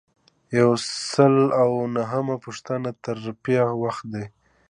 یو سل او نهمه پوښتنه د ترفیع وخت دی.